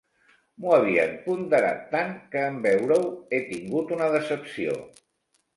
M'ho havien ponderat tant, que, en veure-ho, he tingut una decepció.